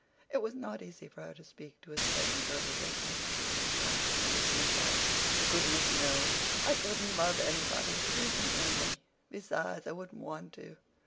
It was not easy for her to speak to a stranger of the great mystery and transformation of life. "Goodness, no. I couldn't love anybody. It isn't in me. Besides I wouldn't want to.